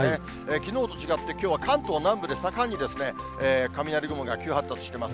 きのうと違って、きょうは関東南部で盛んに雷雲が急発達しています。